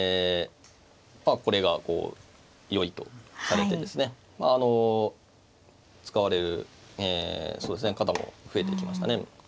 これがこうよいとされてですね使われる方も増えてきましたね。